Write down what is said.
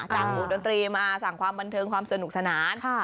วงดนตรีมาสั่งความบันเทิงความสนุกสนาน